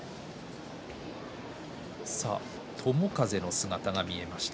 友風の姿が見えました。